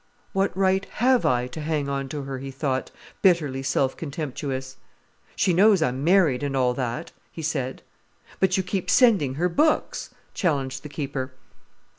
"What right have I to hang on to her?" he thought, bitterly self contemptuous. "She knows I'm married and all that," he said. "But you keep sending her books," challenged the keeper.